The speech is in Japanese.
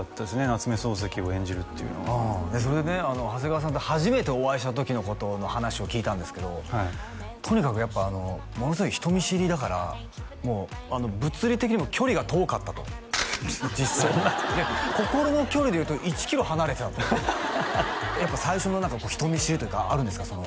夏目漱石を演じるっていうのはそれでね長谷川さんと初めてお会いした時のことの話を聞いたんですけどとにかくやっぱものすごい人見知りだからもう物理的にも距離が遠かったと実際にで心の距離でいうと１キロ離れてたとやっぱ最初の何か人見知りというかあるんですか？